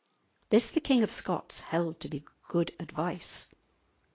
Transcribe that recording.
This the King of Scots held to be good advice.